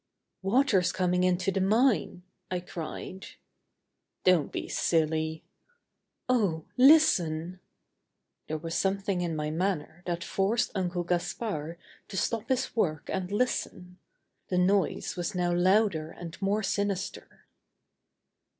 "Water's coming into the mine!" I cried. "Don't be silly." "Oh, listen!" There was something in my manner that forced Uncle Gaspard to stop his work and listen. The noise was now louder and more sinister.